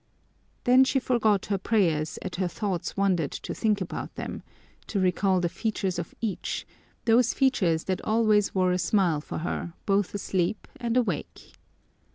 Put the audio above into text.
Then she forgot her prayers as her thoughts wandered to think about them, to recall the features of each, those features that always wore a smile for her both asleep and awake.